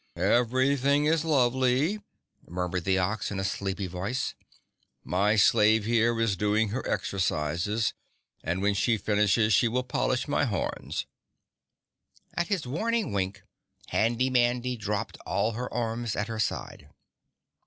"Everything is lovely," murmured the Ox in a sleepy voice. "My slave here is doing her exercises and when she finishes she will polish my horns." At his warning wink, Handy Mandy dropped all her arms at her side.